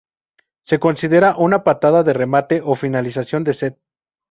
Se considera una patada de remate o finalización de set.